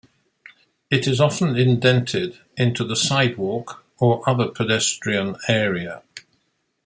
It is often indented into the sidewalk or other pedestrian area.